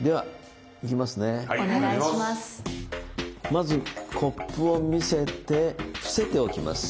まずコップを見せて伏せておきます。